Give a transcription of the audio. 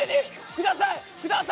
ください。